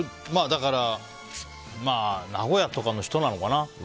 名古屋とかの人なのかな？